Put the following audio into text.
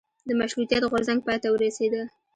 د مشروطیت غورځنګ پای ته ورسیده.